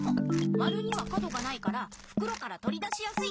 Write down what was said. まるには角がないからふくろからとり出しやすい。